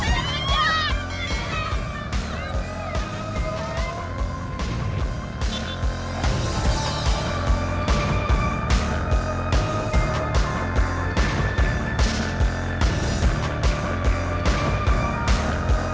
ini avham hoje kajiannya bukan by